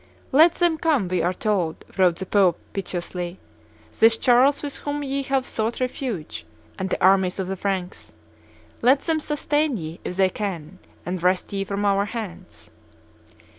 "Let them come, we are told," wrote the Pope, piteously, "this Charles with whom ye have sought refuge, and the armies of the Franks; let them sustain ye, if they can, and wrest ye from our hands."